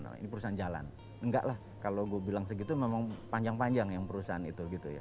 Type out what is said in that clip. sebagai sebuah perusahaan jalan enggak lah kalau gue bilang segitu memang panjang panjang yang perusahaan itu